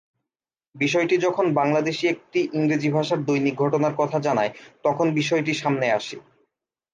বিষয়টি যখন বাংলাদেশি একটি ইংরেজি ভাষার দৈনিক ঘটনার কথা জানায় তখন বিষয়টি সামনে আসে।